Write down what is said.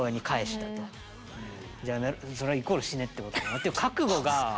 じゃあやめるそれはイコール死ねってことだなっていう覚悟が。